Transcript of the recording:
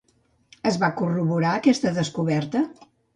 Es va corroborar aquesta descoberta?